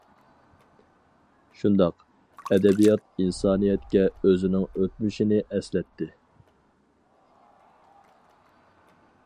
شۇنداق، ئەدەبىيات ئىنسانىيەتكە ئۆزىنىڭ ئۆتمۈشىنى ئەسلەتتى.